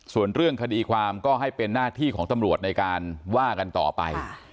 ส่วนเรื่องคดีความก็ให้เป็นหน้าที่ของตำรวจในการว่ากันต่อไป